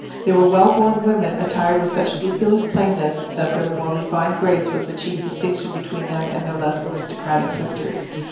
There were well born women attired with such scrupulous plainness that their more refined grace was the chief distinction between them and their less aristocratic sisters.